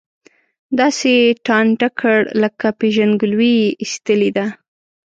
داسې یې ټانټه کړ، له پېژندګلوۍ یې ایستلی دی.